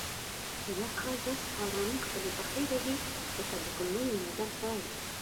زموږ خر داسې په آرامۍ خپلې پښې وهي لکه د کوم نوي مزل پیل.